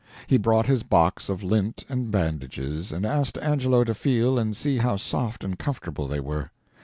He brought his box of lint and bandages, and asked Angelo to feel and see how soft and comfortable they were.